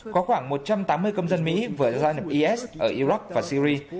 có khoảng một trăm tám mươi công dân mỹ vừa gia nhập is ở iraq và syri